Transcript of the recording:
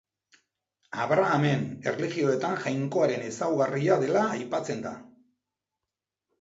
Abrahamen erlijioetan Jainkoaren ezaugarria dela aipatzen da.